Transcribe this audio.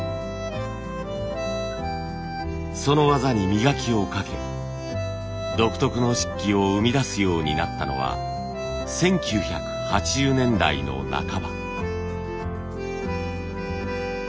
その技に磨きをかけ独特の漆器を生み出すようになったのは１９８０年代の半ば。